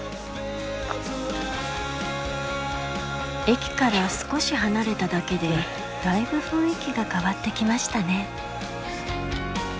駅から少し離れただけでだいぶ雰囲気が変わってきましたね。